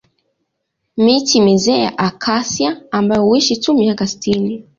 Miti mizee ya Acacia ambayo huishi tu miaka sitini